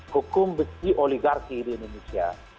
hukum besi oligarki di indonesia